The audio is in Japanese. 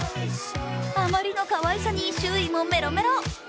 あまりのかわいさに周囲もメロメロ。